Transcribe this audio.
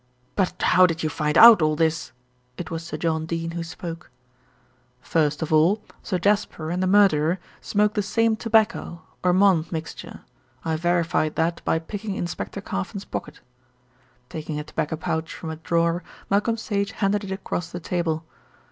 "But how did you find out all this?" It was Sir John Dene who spoke. "First of all, Sir Jasper and the murderer smoke the same tobacco, 'Ormonde Mixture.' I verified that by picking Inspector Carfon's pocket." Taking a tobacco pouch from a drawer Malcolm Sage handed it across the table.